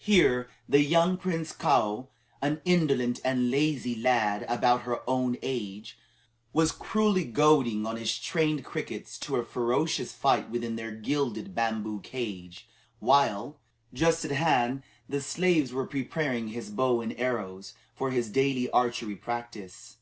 Here the young Prince Kaou, an indolent and lazy lad of about her own age, was cruelly goading on his trained crickets to a ferocious fight within their gilded bamboo cage, while, just at hand, the slaves were preparing his bow and arrows for his daily archery practice.